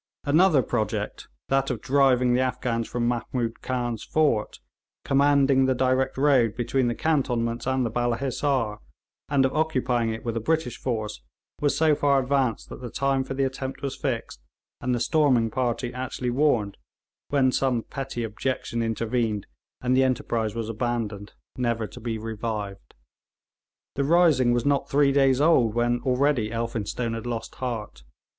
Another project, that of driving the Afghans from Mahmood Khan's fort, commanding the direct road between the cantonments and the Balla Hissar, and of occupying it with a British force, was so far advanced that the time for the attempt was fixed, and the storming party actually warned, when some petty objection intervened and the enterprise was abandoned, never to be revived. The rising was not three days old when already Elphinstone had lost heart.